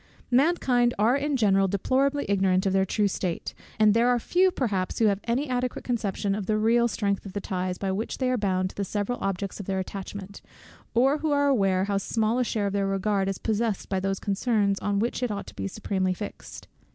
Mankind are in general deplorably ignorant of their true state; and there are few perhaps who have any adequate conception of the real strength of the ties, by which they are bound to the several objects of their attachment, or who are aware how small a share of their regard is possessed by those concerns on which it ought to be supremely fixed.